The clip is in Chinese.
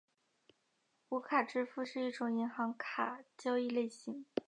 无卡支付是一种银行卡交易类型。